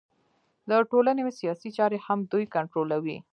د ټولنې سیاسي چارې هم دوی کنټرولوي